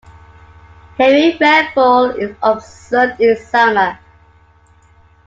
Heavy rainfall is observed in summer.